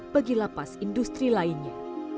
bagi lapas industri lainnya